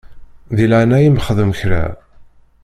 Di leɛnaya-m xdem kra.